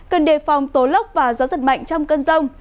cần đề phòng tố lốc và gió giật mạnh trong cơn rông